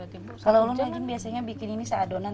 kalau lu ngajin biasanya bikin ini seadonan